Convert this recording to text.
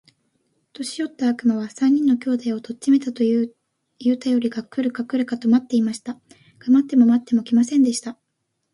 年よった悪魔は、三人の兄弟を取っちめたと言うたよりが来るか来るかと待っていました。が待っても待っても来ませんでした。